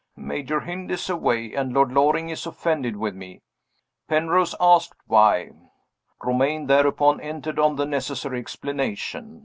Major Hynd is away, and Lord Loring is offended with me." Penrose asked why. Romayne, thereupon, entered on the necessary explanation.